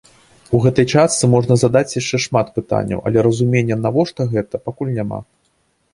У гэтай частцы можна задаць яшчэ шмат пытанняў, але разумення, навошта гэта, пакуль няма.